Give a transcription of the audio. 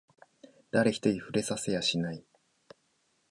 誰一人触れさせやしない